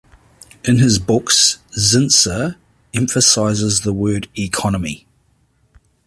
In his books, Zinsser emphasizes the word "economy".